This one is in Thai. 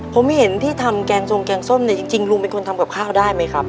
ผมเห็นที่ทำแกงทรงแกงส้มเนี่ยจริงลุงเป็นคนทำกับข้าวได้ไหมครับ